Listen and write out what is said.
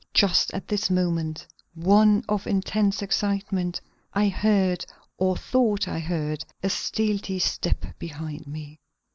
Just at this moment, one of intense excitement, I heard, or thought I heard, a stealthy step behind me.